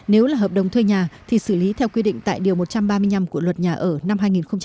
nếu là hợp đồng thuê nhà thì xử lý theo quy định tại điều một trăm ba mươi năm của luật nhà ở năm hai nghìn một mươi bốn